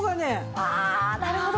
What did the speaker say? ああなるほど！